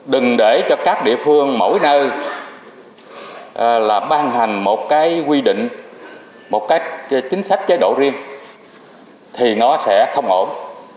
đừng để cho các địa phương mỗi nơi ban hành một cái quy định một cách chính sách chế độ riêng thì nó sẽ không ổn